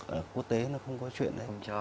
ở quốc tế nó không có chuyện đấy